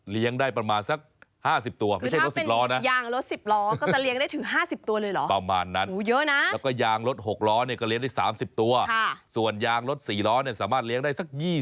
เลี้ยงได้ประมาณสัก๕๐ตัวไม่ใช่รถ๑๐ล้อนะ